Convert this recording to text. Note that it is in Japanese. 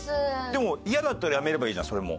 でも嫌だったら辞めればいいじゃんそれも。